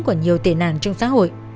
của nhiều tệ nạn trong xã hội